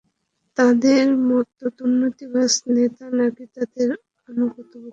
তাদের মতো দুর্নীতিবাজ নেতা, নাকি তাদের আনুগত কুত্তা?